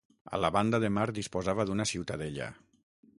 A la banda de mar disposava d'una ciutadella.